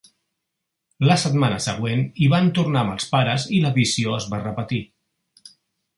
La setmana següent hi van tornar amb els pares i la visió es va repetir.